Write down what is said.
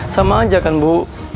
sama aja kan bu